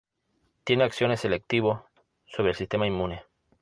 Tiene acciones selectivos sobre el sistema inmune.